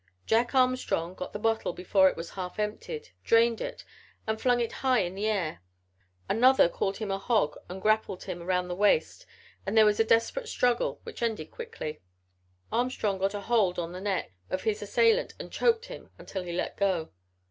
Jack Armstrong got the bottle before it was half emptied, drained it and flung it high in the air. Another called him a hog and grappled him around the waist and there was a desperate struggle which ended quickly. Armstrong got a hold on the neck of his assailant and choked him until he let go.